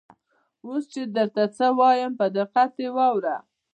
اوس چې درته څه وایم په دقت یې واوره.